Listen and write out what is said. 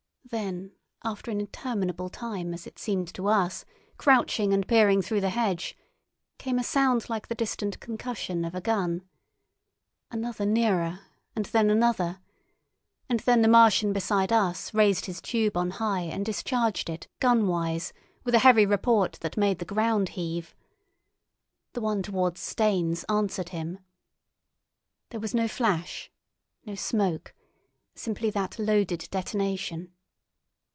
Then, after an interminable time, as it seemed to us, crouching and peering through the hedge, came a sound like the distant concussion of a gun. Another nearer, and then another. And then the Martian beside us raised his tube on high and discharged it, gunwise, with a heavy report that made the ground heave. The one towards Staines answered him. There was no flash, no smoke, simply that loaded detonation.